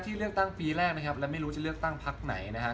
เลือกตั้งปีแรกนะครับและไม่รู้จะเลือกตั้งพักไหนนะครับ